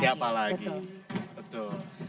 siapa lagi betul